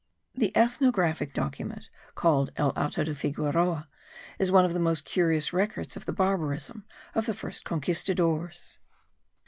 The ethnographic document called El Auto de Figueroa is one of the most curious records of the barbarism of the first conquistadores.